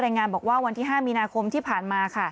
งานบอกว่าวันที่๕มีนาคมที่ผ่านมา